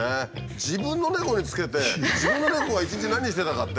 自分の猫につけて自分の猫が一日何してたかって？